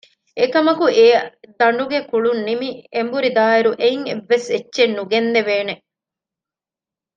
އެކަމަކު އެ ދަނޑުގެ ކުޅުންނިމި އެނބުރިދާއިރު އެއިން އެއްވެސްއެއްޗެއް ނުގެންދެވޭނެ